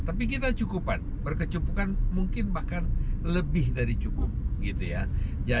tapi kita cukupan berkecupukan mungkin bahkan lebih dari cukup gitu ya